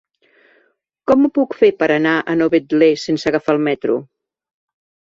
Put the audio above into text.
Com ho puc fer per anar a Novetlè sense agafar el metro?